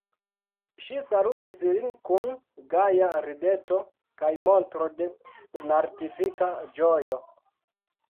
Ŝi salutis lin kun gaja rideto kaj montro de senartifika ĝojo.